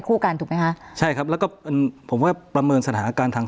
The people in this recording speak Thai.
คู่กันถูกไหมคะใช่ครับแล้วก็ผมว่าประเมินสถานการณ์ทาง